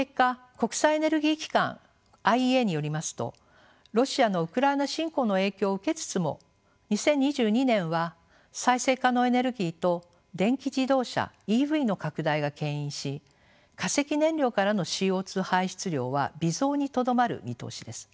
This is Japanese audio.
国際エネルギー機関ＩＥＡによりますとロシアのウクライナ侵攻の影響を受けつつも２０２２年は再生可能エネルギーと電気自動車ＥＶの拡大がけん引し化石燃料からのＣＯ排出量は微増にとどまる見通しです。